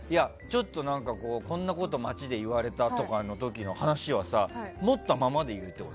こんなこと街で言われたとかの時の話は持ったままでいるってこと？